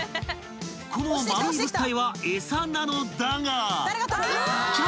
［この丸い物体はエサなのだが］